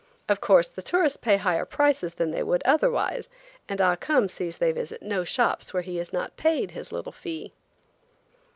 Of course the tourists pay higher prices than they would otherwise, and Ah Cum sees they visit no shops where he is not paid his little fee.